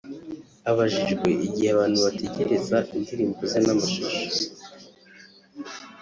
Abajijwe igihe abantu bategereza indirimbo ze z’amashusho